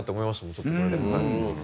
ちょっとこれで。